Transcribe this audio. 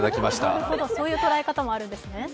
なるほど、そういう捉え方もあるんですね。